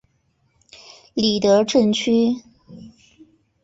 里德镇区。